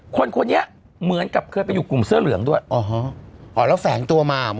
คนคนนี้เหมือนกับเคยไปอยู่กลุ่มเสื้อเหลืองด้วยอ๋อแล้วแฝงตัวมา